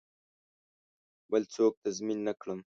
بل څوک تضمین نه کړم.